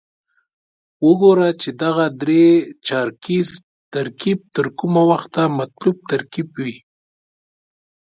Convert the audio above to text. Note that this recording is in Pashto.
وګورو چې دغه درې چارکیز ترکیب تر کومه وخته مطلوب ترکیب وي.